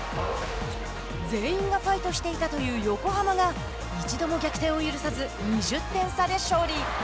全員がファイトしていたという横浜が一度も逆転を許さず２０点差で勝利。